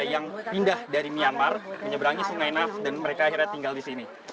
yang pindah dari myanmar menyeberangi sungai naf dan mereka akhirnya tinggal di sini